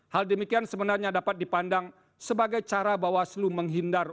hal demikian sebenarnya dapat dipandang sebagai cara bawaslu menghindar